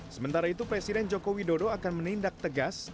sementara itu presiden joko widodo akan menindak tegas